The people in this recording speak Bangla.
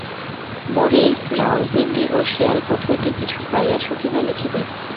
মরী, রাওলপিণ্ডি ও শিয়ালকোট হইতে কিছু পাইয়াছ কিনা লিখিবে।